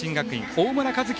大村和輝